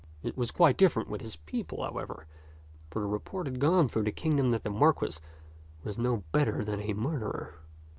It was quite different with his people, however, for the report had gone through the kingdom that the Marquis was no better than a murderer.